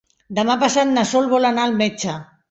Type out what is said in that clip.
Demà passat na Sol vol anar al metge.